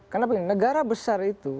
karena apa ya negara besar itu